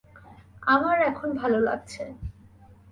আমার এখন ভালো লাগছে।